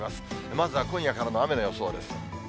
まずは今夜からの雨の予想です。